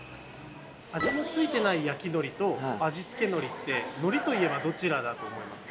味の付いてない「焼きのり」と「味付けのり」ってのりといえばどちらだと思いますか？